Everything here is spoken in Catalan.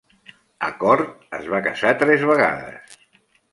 Acord es va casar tres vegades.